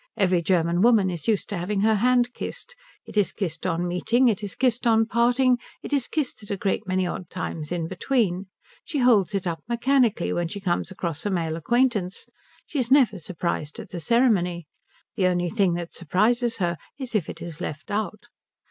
Every German woman is used to having her hand kissed. It is kissed on meeting, it is kissed on parting, it is kissed at a great many odd times in between; she holds it up mechanically when she comes across a male acquaintance; she is never surprised at the ceremony; the only thing that surprises her is if it is left out.